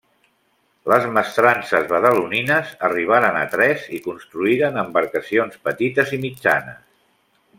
Les mestrances badalonines arribaren a tres i construïren embarcacions petites i mitjanes.